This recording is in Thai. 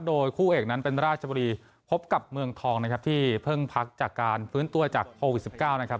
โดยคู่เอกนั้นเป็นราชบุรีพบกับเมืองทองนะครับที่เพิ่งพักจากการฟื้นตัวจากโควิด๑๙นะครับ